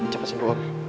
sampai jumpa om